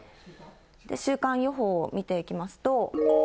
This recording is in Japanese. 週間予報、見ていきますと。